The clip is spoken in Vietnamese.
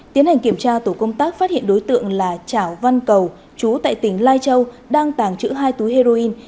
tiến hành kiểm tra tổ công tác phát hiện đối tượng là trảo văn cầu chú tại tỉnh lai châu đang tàng trữ hai túi heroin